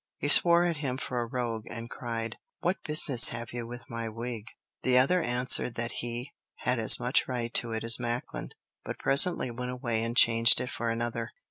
He swore at him for a rogue, and cried, "What business have you with my wig?" The other answered that he had as much right to it as Macklin, but presently went away and changed it for another.